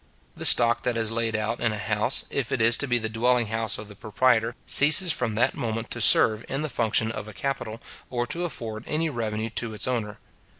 The stock that is laid out in a house, if it is to be the dwelling house of the proprietor, ceases from that moment to serve in the function of a capital, or to afford any revenue to its owner.